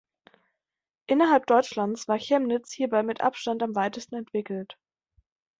Innerhalb Deutschlands war Chemnitz hierbei mit Abstand am weitesten entwickelt.